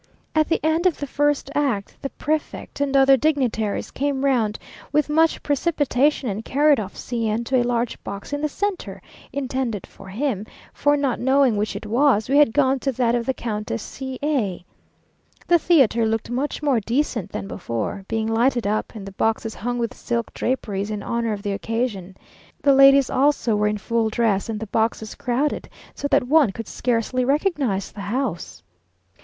At the end of the first act, the prefect and other dignitaries came round with much precipitation and carried off C n to a large box in the centre, intended for him; for, not knowing which it was, we had gone to that of the Countess C a. The theatre looked much more decent than before; being lighted up, and the boxes hung with silk draperies in honour of the occasion. The ladies also were in full dress, and the boxes crowded, so that one could scarcely recognise the house.